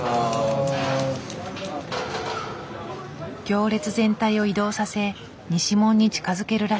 行列全体を移動させ西門に近づけるらしい。